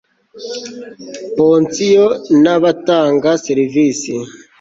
pansiyo n abatanga serivisi